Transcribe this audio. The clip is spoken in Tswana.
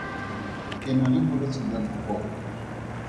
Ke na le bolwetse jwa boboko.